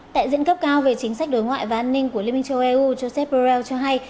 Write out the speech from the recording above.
tại diễn cấp cao về chính sách đối ngoại và an ninh của liên minh châu âu joseph borrell cho hay